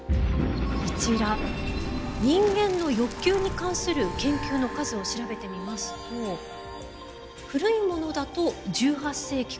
こちら人間の欲求に関する研究の数を調べてみますと古いものだと１８世紀から。